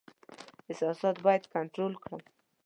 احساسات باید کنټرول کړم.